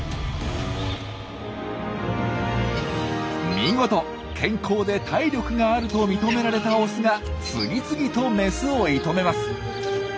見事健康で体力があると認められたオスが次々とメスを射止めます。